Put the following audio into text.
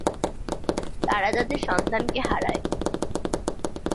তারা তাদের সন্তানকে হারায়।